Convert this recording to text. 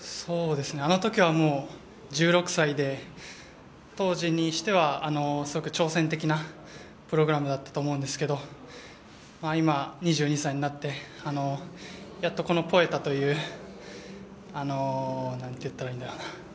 あの時は１６歳で当時にしてはすごく挑戦的なプログラムだったと思うんですけど今、２２歳になってやっとこの「ポエタ」というなんて言ったらいいんだろう